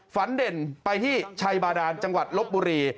เด่นไปที่ชัยบาดานจังหวัดลบบุรี